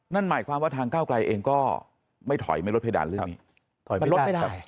นั่นหมายความว่าทางก้าวไกลเองก็ไม่ถอยไม่ลดเพดานเรื่องนี้ถอยไม่ลดไม่ได้